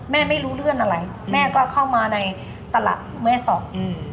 ไม่รู้เรื่องอะไรแม่ก็เข้ามาในตลาดแม่สอดอืม